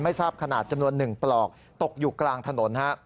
ทราบขนาดจำนวน๑ปลอกตกอยู่กลางถนน